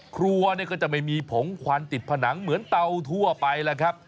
ครัวเนี่ยก็จะไม่มีผงควันติดผนังเหมือนเตาทั่วไปแล้วครับ